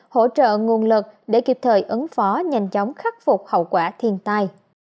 hỗ trợ nguồn lực để kịp thời ứng phó nhanh chóng khắc phục hậu quả thiên tai